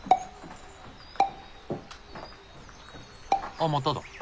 あっまただ。